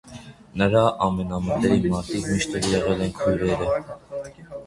Նրա ամենամտերիմ մարդիկ միշտ էլ եղել են քույրերը։